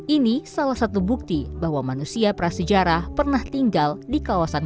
ini salah satu bukti bahwa manusia prasejarah pernah tinggal di kawasan